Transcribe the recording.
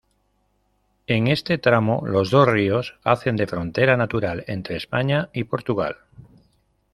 En este tramo los dos ríos hacen de frontera natural entre España y Portugal.